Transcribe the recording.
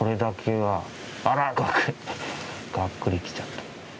がっくりきちゃった。